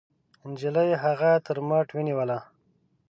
نجلۍ هغه تر مټ ونيوله.